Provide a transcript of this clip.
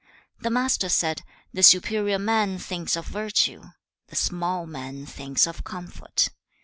The Master said, 'The superior man thinks of virtue; the small man thinks of comfort.